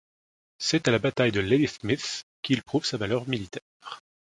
C'est à la bataille de Ladysmith qu'il prouve sa valeur militaire.